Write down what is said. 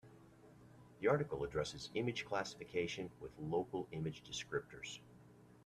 The article addresses image classification with local image descriptors.